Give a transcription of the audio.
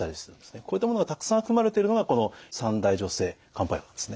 こういったものがたくさん含まれているのがこの三大女性漢方薬なんですね。